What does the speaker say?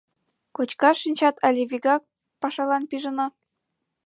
— Кочкаш шинчат але вигак пашалан пижына?